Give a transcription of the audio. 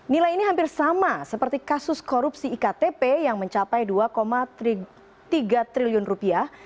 nilai ini hampir sama seperti kasus korupsi iktp yang mencapai dua tiga triliun rupiah